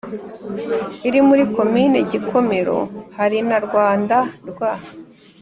iri muri komini gikomero; hari na rwanda rwa